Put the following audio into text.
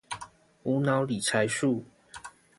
無腦理財術